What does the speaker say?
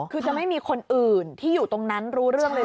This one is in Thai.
คือจะไม่มีคนอื่นที่อยู่ตรงนั้นรู้เรื่องเลยนะ